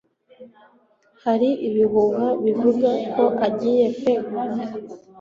Hari ibihuha bivuga ko agiye kwegura.